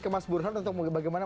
kembali ke sana